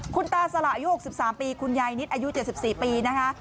คุณตาสละอายุ๖๓ปีคุณยายนิดอายุ๗๔ปีนะคะ